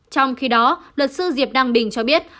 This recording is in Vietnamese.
trong khi đó luật sư diệp đăng bình cho biết